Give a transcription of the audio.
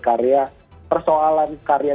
karya persoalan karya